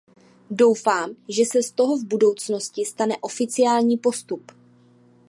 Doufám, že se z toho v budoucnosti stane oficiální postup.